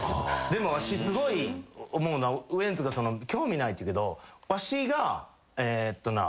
でもわしすごい思うのはウエンツが興味ないっていうけどわしがえっとな。